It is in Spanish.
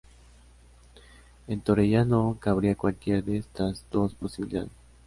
En Torrellano cabría cualquiera de estas dos posibilidades.